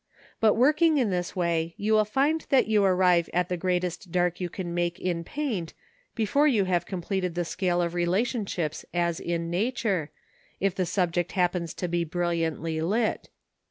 But working in this way you will find that you arrive at the greatest dark you can make in paint before you have completed the scale of relationships as in nature, if the subject happens to be brilliantly lit.